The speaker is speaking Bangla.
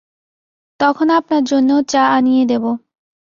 তখন আপনার জন্যেও চা আনিয়ে দেব।